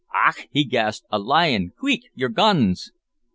"Ach!" he gasped, "a lion! queek! your guns!"